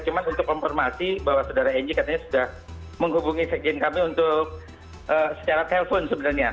cuma untuk informasi bahwa saudara ng katanya sudah menghubungi sekjen kami untuk secara telpon sebenarnya